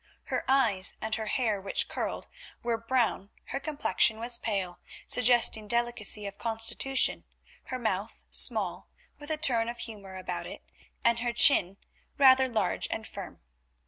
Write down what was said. Her eyes, and her hair which curled, were brown, her complexion was pale, suggesting delicacy of constitution, her mouth small, with a turn of humour about it, and her chin rather large and firm.